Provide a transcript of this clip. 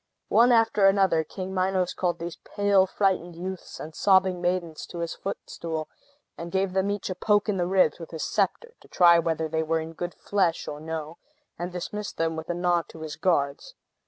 One after another, King Minos called these pale, frightened youths and sobbing maidens to his footstool, gave them each a poke in the ribs with his sceptre (to try whether they were in good flesh or no), and dismissed them with a nod to his guards.